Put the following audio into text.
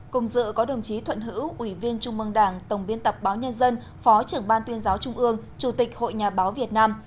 cùng dự có đồng chí thuận hữu ủy viên trung mương đảng tổng biên tập báo nhân dân phó trưởng ban tuyên giáo trung ương chủ tịch hội nhà báo việt nam